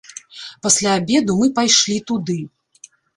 Пасля абеду мы пайшлі туды.